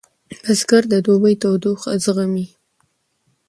بزګر د دوبي تودوخه زغمي